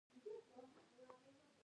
یا به هغوی له سیالۍ لاس اخیست